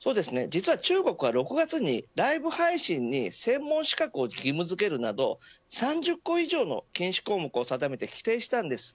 実は中国は６月にライブ配信に専門資格を義務づけるなど３０個以上の禁止項目を定めて規制したんです。